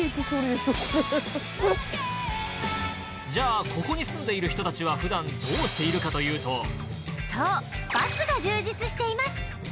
これじゃあここに住んでいる人達はふだんどうしているかというとそうバスが充実しています